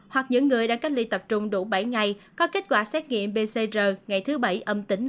hoặc những người đang cách ly tập trung đủ bảy ngày có kết quả xét nghiệm pcr ngày thứ bảy âm tính